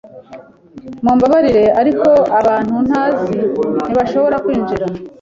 Mumbabarire, ariko abantu ntazi ntibashobora kwinjira.